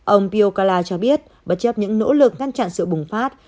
ông biokala cho biết bất chấp những nỗ lực ngăn chặn sự bùng phát